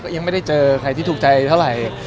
ยังไม่ได้เจอใครที่ถูกใจเท่าไหร่